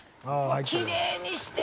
きれいにしてる！